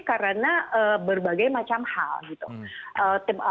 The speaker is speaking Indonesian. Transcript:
karena berbagai macam hal gitu